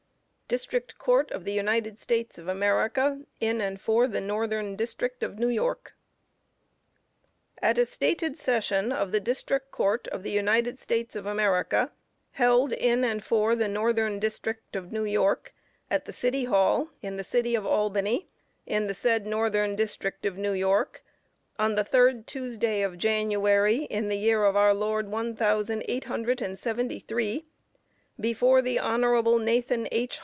DISTRICT COURT OF THE UNITED STATES OF AMERICA, IN AND FOR THE NORTHERN DISTRICT OF NEW YORK. At a stated Session of the District Court of the United States of America, held in and for the Northern District of New York, at the City Hall, in the city of Albany, in the said Northern District of New York, on the third Tuesday of January, in the year of our Lord one thousand eight hundred and seventy three, before the Honorable Nathan H.